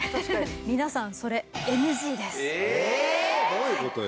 どういう事よ？